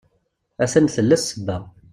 A-t-an tella ssebba.